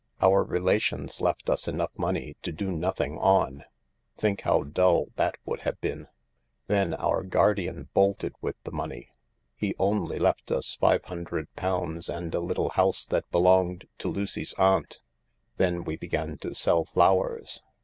Our relations left us enough money to do nothing on— think how dull that would have been ! Then our guardian bolted with the money. He only left us £500 and a little house that belonged to Lucy's aunt. Then we began to sell flowers.